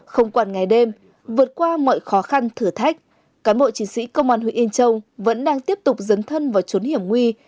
không quản ngày đêm vượt qua mọi khó khăn thử thách cán bộ chiến sĩ công an huyện yên châu vẫn đang tiếp tục dấn thân vào trốn hiểm nguy